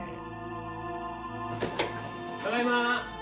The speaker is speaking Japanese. ただいま。